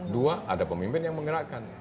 dua ada pemimpin yang menggerakkan